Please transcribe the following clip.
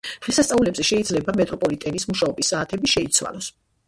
დღესასწაულებზე შეიძლება მეტროპოლიტენის მუშაობის საათები შეიცვალოს.